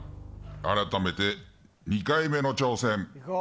あらためて２回目の挑戦。